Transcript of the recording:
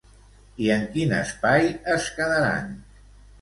I en quin espai es quedaran?